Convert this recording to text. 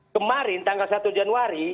kemarin tanggal satu januari